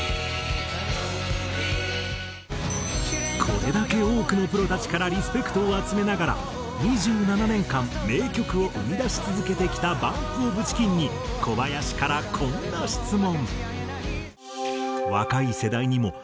これだけ多くのプロたちからリスペクトを集めながら２７年間名曲を生み出し続けてきたＢＵＭＰＯＦＣＨＩＣＫＥＮに小林からこんな質問。